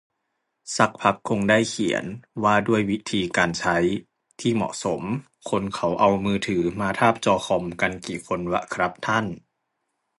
ซักพักคงได้เขียน ว่าด้วยวิธีการใช้ ที่เหมาะสม คนเขาเอามือถือมาทาบจอคอมกันกี่คนวะครับท่าน